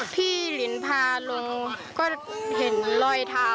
พี่ลินพาคุณลงไปให้ทำ